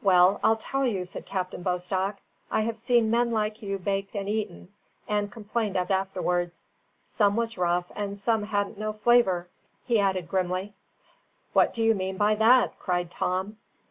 "Well, I'll tell you," said Captain Bostock. "I have seen men like you baked and eaten, and complained of afterwards. Some was tough, and some hadn't no flaviour," he added grimly. "What do you mean by that?" cried Tom.